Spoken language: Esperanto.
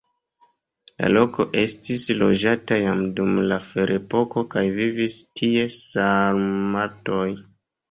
La loko estis loĝata jam dum la ferepoko kaj vivis tie sarmatoj.